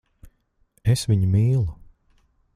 Es viņu mīlu.